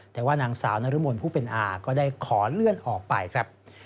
แต่ว่านางสาวนรมนผู้เป็นอาก็ได้ขอเลื่อนออกไปครับ